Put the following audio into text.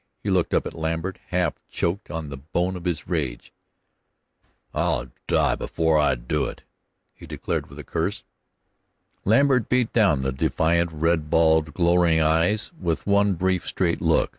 He looked up at Lambert, half choked on the bone of his rage. "I'll die before I'll do it!" he declared with a curse. Lambert beat down the defiant, red balled glowering eyes with one brief, straight look.